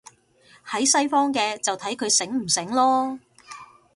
喺西方嘅，就睇佢醒唔醒囉